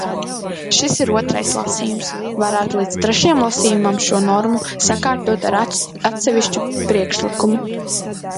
Šis ir otrais lasījums, varētu līdz trešajam lasījumam šo normu sakārtot ar atsevišķu priekšlikumu.